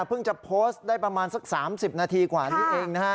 เพิ่งจะโพสต์ได้ประมาณสัก๓๐นาทีกว่านี้เองนะฮะ